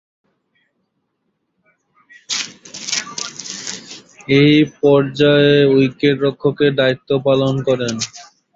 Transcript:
এ পর্যায়ে উইকেট-রক্ষকের দায়িত্ব পালন করেন।